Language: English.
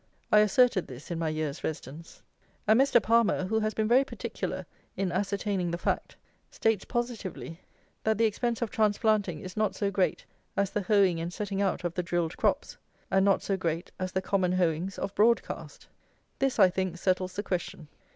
I asserted this in my "Year's Residence;" and Mr. PALMER, who has been very particular in ascertaining the fact, states positively that the expense of transplanting is not so great as the hoeing and setting out of the drilled crops, and not so great as the common hoeings of broad cast. This, I think, settles the question.